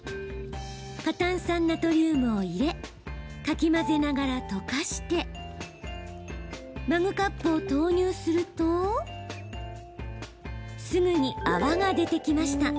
過炭酸ナトリウムを入れかき混ぜながら溶かしてマグカップを投入するとすぐに泡が出てきました。